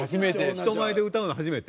人前で歌うの初めて？